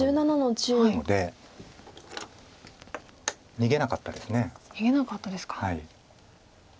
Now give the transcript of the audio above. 逃げなかったです。